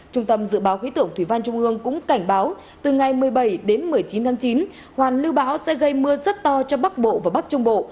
trung tâm dự báo khí tượng thủy văn trung ương cũng cảnh báo từ ngày một mươi bảy đến một mươi chín tháng chín hoàn lưu bão sẽ gây mưa rất to cho bắc bộ và bắc trung bộ